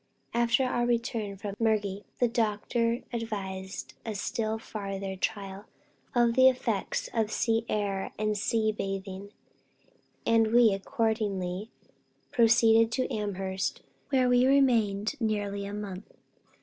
After our return from Mergui, the doctor advised a still farther trial of the effects of sea air and sea bathing, and we accordingly proceeded to Amherst, where we remained nearly a month.